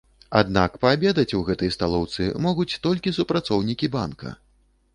Аднак паабедаць у гэтай сталоўцы могуць толькі супрацоўнікі банка.